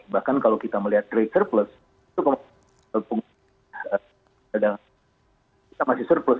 bahkan kalau kita melihat trade surplus itu kita masih surplus